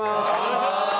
お願いします。